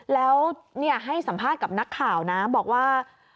แล้วให้สัมภาษณ์กับนักข่าวนะบอกว่า